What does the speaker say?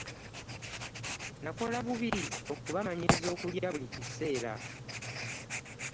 Nakola bubi okubamanyiiza okulya buli kiseera.